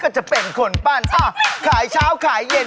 เอ้ามันก็ก็มีฝันที่เราแบบฝัน